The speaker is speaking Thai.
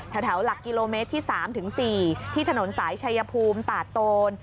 หลักกิโลเมตรที่๓๔ที่ถนนสายชายภูมิตาดโตน